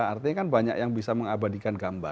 artinya kan banyak yang bisa mengabadikan gambar